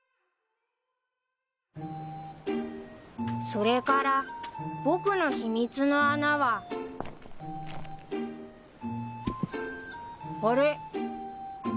それから僕の秘密の穴はあれ？